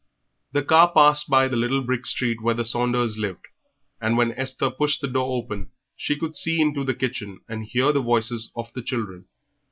The car passed by the little brick street where the Saunders lived, and when Esther pushed the door open she could see into the kitchen and overhear the voices of the children.